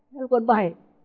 nó còn bẩy